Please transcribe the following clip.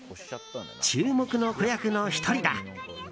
注目の子役の１人だ。